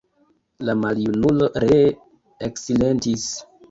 La maljunulo ree eksilentis.